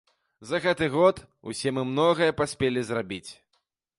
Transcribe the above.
За гэты год усе мы многае паспелі зрабіць.